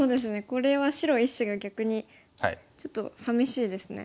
これは白１子が逆にちょっとさみしいですね。